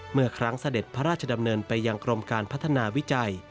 เมื่อครั้งเสด็จพระราชดำเนินไปยังกรมการพัฒนาวิจัย